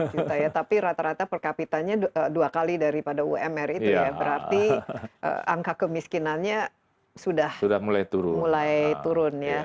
empat juta ya tapi rata rata per kapitanya dua kali daripada umr itu ya berarti angka kemiskinannya sudah mulai turun ya